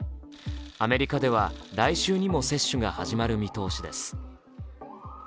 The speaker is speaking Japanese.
アメリカでは来週にも接種が始まる見通しです。